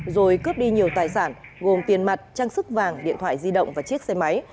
rồi cướp đi nhiều tài sản gồm tiền mặt trang sức vàng điện thoại di động và chiếc xe máy